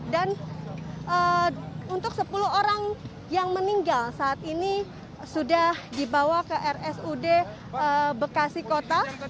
dan untuk sepuluh orang yang meninggal saat ini sudah dibawa ke rsud bekasi kota